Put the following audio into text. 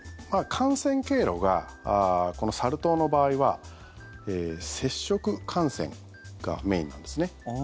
感染経路がサル痘の場合は接触感染がメインなんですね。